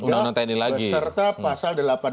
beserta pasal delapan belas